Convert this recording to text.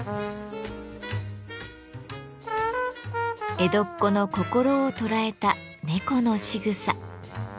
江戸っ子の心を捉えた猫のしぐさ。